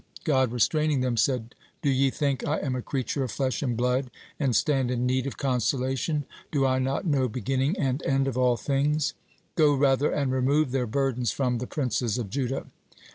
God restraining them said: "Do ye think I am a creature of flesh and blood, and stand in need of consolation? Do I not know beginning and end of all things? Go rather and remove their burdens from the princes of Judah."